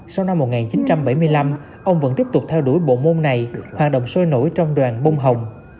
sau năm một nghìn chín trăm bảy mươi năm ông vẫn tiếp tục theo đuổi bộ môn này hoạt động sôi nổi trong đoàn bông hồng